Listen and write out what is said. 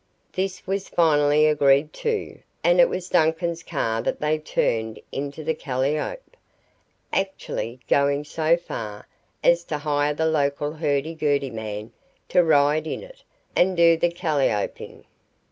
This was finally agreed to, and it was Duncan's car that they turned into the calliope, actually going so far as to hire the local hurdy gurdy man to ride in it and do the "callioping."